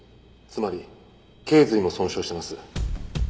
つまり頚髄も損傷してます。